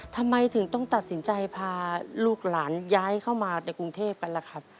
ทำไมถึงต้องตัดสินใจพาลูกหลานย้ายเข้ามาจากกรุงเทพกันล่ะครับ